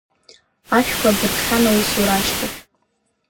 Ашәқәа адыркхьан аусура ашьҭахь.